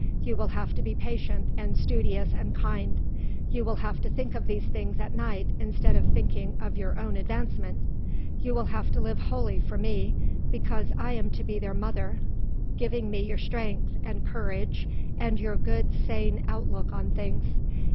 You will have to be patient and studious and kind. You will have to think of these things at night instead of thinking of your own advancement. You will have to live wholly for me because I am to be their mother, giving me your strength and courage and your good sane outlook on things.